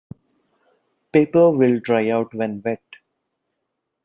Paper will dry out when wet.